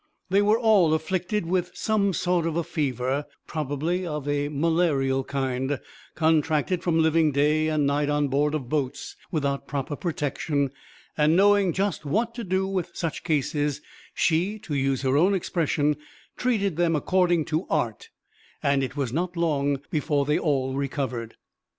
They were all afflicted with some sort of a fever, probably of a malarial kind, contracted from living day and night on board of boats without proper protection; and, knowing just what to do with such cases, she, to use her own expression, "treated them according to art," and it was not long before they all recovered.